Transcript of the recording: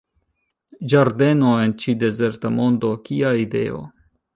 Ĝardeno en ĉi dezerta mondo, kia ideo.